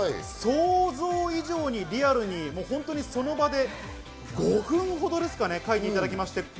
想像以上にリアルにその場で、５分ほどですかね、描いていただきました。